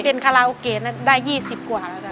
เป็นคาราโอเกะนั้นได้๒๐กว่าแล้วจ้